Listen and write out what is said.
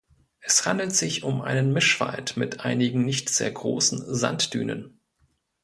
Es handelt sich um einen Mischwald mit einigen nicht sehr großen Sanddünen.